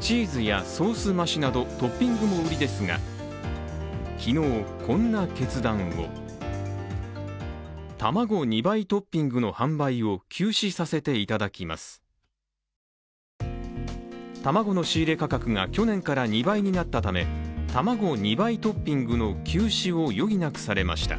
チーズやソース増しなどトッピングも売りですが、昨日、こんな決断をたまごの仕入れ価格が去年から２倍になったためたまご２倍トッピングの休止を余儀なくされました。